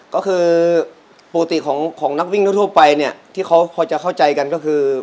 ก็คือปกติของนักวิ่งทั่วไปเนี่ยที่เขาพอจะเข้าใจกันก็คือ